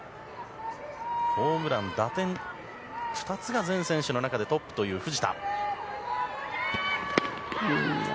ホームラン、打点、２つが全選手の中でトップの藤田。